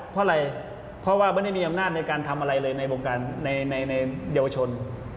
เพราะว่าไม่ได้อย่างน้ำหน้าทำอะไรเลยในโบการณ์เยาวชน